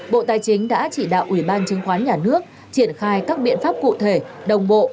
bộ tài chính đã chỉ đạo ủy ban chứng khoán nhà nước triển khai các biện pháp cụ thể đồng bộ